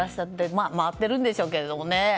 まあ、回ってるんでしょうけどね。